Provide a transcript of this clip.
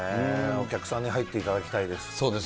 お客さんに入っていただきたいです。